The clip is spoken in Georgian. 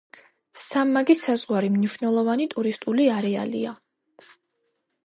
სამმაგი საზღვარი მნიშვნელოვანი ტურისტული არეალია.